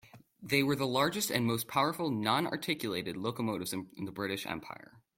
They were the largest and most powerful non-articulated locomotives in the British Empire.